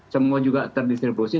semua juga terdistribusi